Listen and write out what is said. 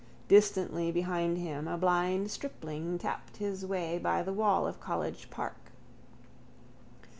Distantly behind him a blind stripling tapped his way by the wall of College park.